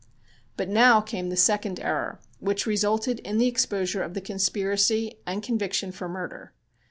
But now came the second error, which resulted in the exposure of the conspiracy and conviction for murder.